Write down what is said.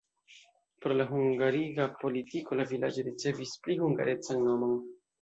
Pro la hungariga politiko la vilaĝo ricevis pli hungarecan nomon.